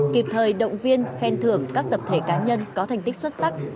kịp thời động viên khen thưởng các tập thể cá nhân có thành tích xuất sắc